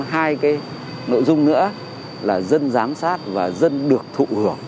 đại hội một mươi ba vừa rồi của đảng đưa thêm hai cái nội dung nữa là dân giám sát và dân được thụ hưởng